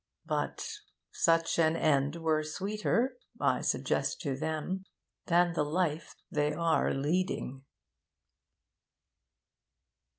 "' But such an end were sweeter, I suggest to them, than the life they are leading.